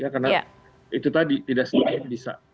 karena itu tadi tidak selalu bisa